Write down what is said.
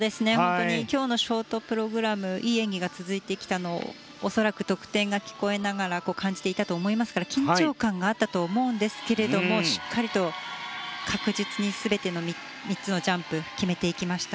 今日のショートプログラムいい演技が続いてきたのも恐らく得点が聞こえながら感じていたと思いますから緊張感があったと思うんですがしっかりと確実に全ての３つのジャンプを決めていきました。